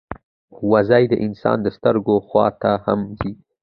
وزې د انسان د سترګو خوا ته هم ځي